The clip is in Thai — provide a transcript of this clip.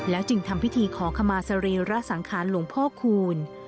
จึงทำพิธีขอขมาสรีระสังขารหลวงพ่อคูณ